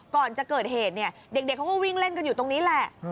ก่อนจะเกิดเหตุเนี่ยเด็กเขาก็วิ่งเล่นกันอยู่ตรงนี้แหละ